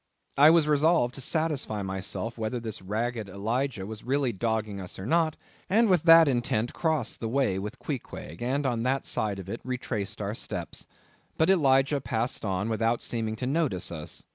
I was resolved to satisfy myself whether this ragged Elijah was really dogging us or not, and with that intent crossed the way with Queequeg, and on that side of it retraced our steps. But Elijah passed on, without seeming to notice us.